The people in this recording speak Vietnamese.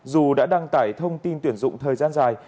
dù đã đăng tải thông tin tuyển dụng thời gian dài